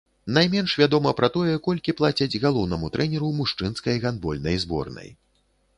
Найменш вядома пра тое, колькі плацяць галоўнаму трэнеру мужчынскай гандбольнай зборнай.